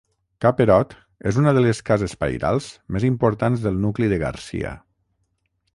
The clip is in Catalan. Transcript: Ca Perot és una de les cases pairals més importants del nucli de Garcia.